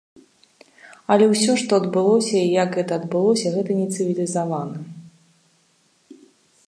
Але ўсё, што адбылося і як гэта адбылося,— гэта не цывілізавана.